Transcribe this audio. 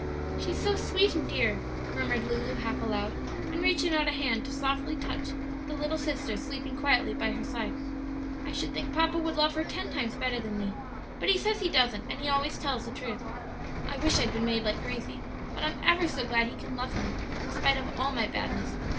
"She's so sweet and dear!" murmured Lulu half aloud, and reaching out a hand to softly touch the little sister sleeping quietly by her side; "I should think papa would love her ten times better than me; but he says he doesn't, and he always tells the truth. I wish I'd been made like Gracie; but I'm ever so glad he can love me in spite of all my badness.